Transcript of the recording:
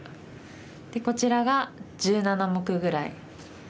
でこちらが１７目ぐらい。